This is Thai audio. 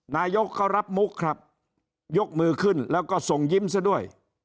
นายกก็รับมุกครับยกมือขึ้นแล้วก็ส่งยิ้มซะด้วย